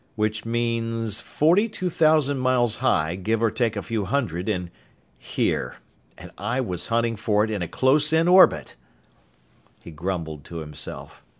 "Which means forty two thousand miles high, give or take a few hundred, and here! And I was hunting for it in a close in orbit!" He grumbled to himself.